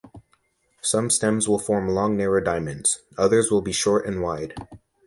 Some stems will form long narrow diamonds; others will be short and wide.